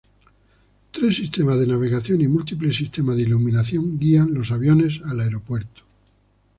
Tres sistemas de navegación y múltiples sistemas de iluminación guían los aviones al aeropuerto.